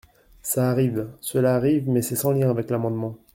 Ça arrive ! Cela arrive, mais c’est sans lien avec l’amendement.